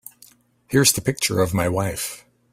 Here's the picture of my wife.